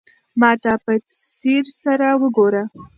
ما ته په ځير سره وگوره.